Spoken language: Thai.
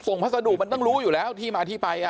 พัสดุมันต้องรู้อยู่แล้วที่มาที่ไป